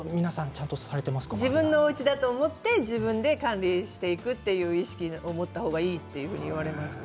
自分のおうちだと思って自分で管理していく意識を持った方がいいって言われますね。